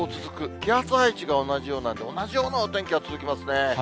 気圧配置が同じようなんで、同じようなお天気が続きますね。